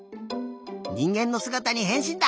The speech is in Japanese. にんげんのすがたにへんしんだ！